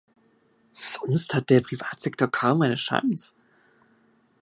Sonst hat der Privatsektor kaum eine Chance.